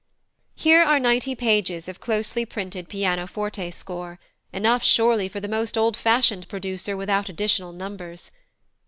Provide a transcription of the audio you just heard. Here are ninety pages of closely printed pianoforte score; enough, surely, for the most old fashioned producer without additional numbers.